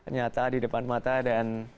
nyata di depan mata dan